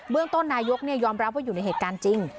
ต้นนายกยอมรับว่าอยู่ในเหตุการณ์จริง